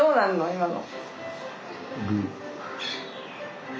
今の。